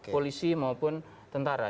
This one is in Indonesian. polisi maupun tentara